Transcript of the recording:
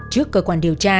trước cơ quan điều tra